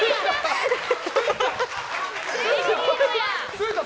ついた！